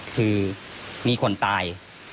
คือมีคนตาย